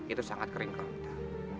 itu sangat kering kalau kita